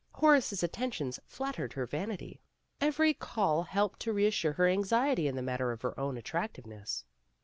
Horace's attentions flattered her vanity. Every call helped to re assure her anxiety in the matter of her own attractiveness.